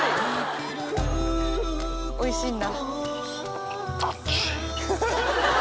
おいしいんだ。